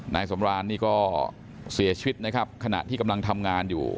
นายสำรานนี่ก็เสียชีวิตนะครับขณะที่กำลังทำงานอยู่